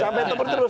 capek tempur terus